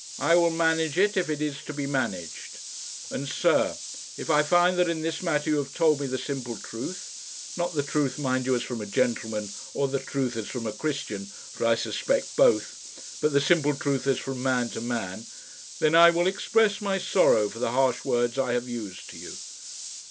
I will manage it if it is to be managed. And, sir, if I find that in this matter you have told me the simple truth not the truth, mind you, as from a gentleman, or the truth as from a Christian, for I suspect both but the simple truth as from man to man, then I will express my sorrow for the harsh words I have used to you."